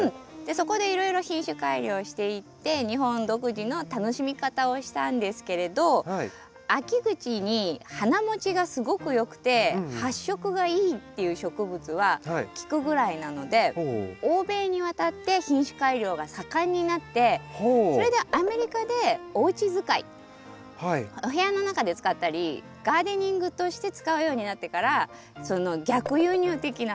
そこでいろいろ品種改良していって日本独自の楽しみ方をしたんですけれど秋口に花もちがすごくよくて発色がいいっていう植物はキクぐらいなので欧米に渡って品種改良が盛んになってそれでアメリカでおうち使いお部屋の中で使ったりガーデニングとして使うようになってから逆輸入的な。